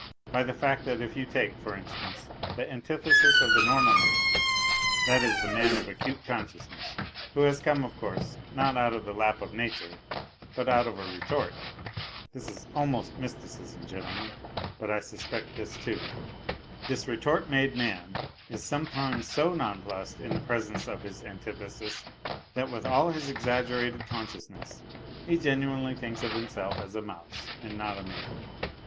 by the fact that if you take, for instance, the antithesis of the normal man, that is, the man of acute consciousness, who has come, of course, not out of the lap of nature but out of a retort (this is almost mysticism, gentlemen, but I 'suspect this, too), this retort made man is sometimes so nonplussed in the presence of his antithesis with all his exaggerated consciousness he genuinely thinks of himself as a mouse and not a man.